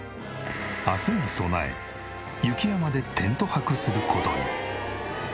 明日に備え雪山でテント泊する事に。